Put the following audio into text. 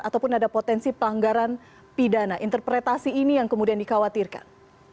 ataupun ada potensi pelanggaran pidana interpretasi ini yang kemudian dikhawatirkan